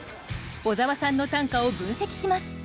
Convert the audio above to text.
小沢さんの短歌を分析します。